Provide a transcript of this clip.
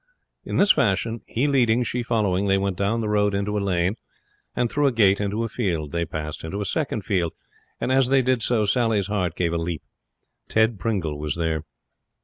In this fashion, he leading, she following, they went down the road into a lane, and through a gate into a field. They passed into a second field, and as they did so Sally's heart gave a leap. Ted Pringle was there.